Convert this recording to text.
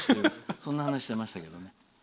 そんな話をしてましたけどね。